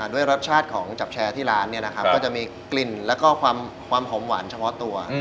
ด้วยรสชาติของจับแชร์ที่ร้านก็จะมีกลิ่นแล้วก็ความหอมหวานเฉพาะตัว